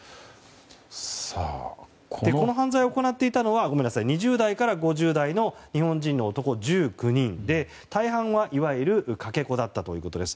この犯罪を行っていたのは２０代から５０代の日本人の男１９人で大半は、いわゆるかけ子だったということです。